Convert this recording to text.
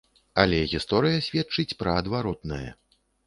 Але гісторыя сведчыць пра адваротнае.